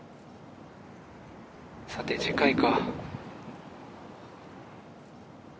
さて次回か。